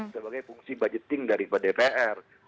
sebagai fungsi budgeting daripada dpr